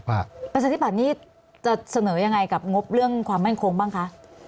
ประชาธิบัตินี้จะเสนอยังไงกับงบเรื่องความมั่นคงบ้างคะ